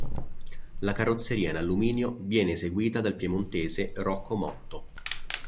La carrozzeria in alluminio, viene eseguita dal piemontese Rocco Motto.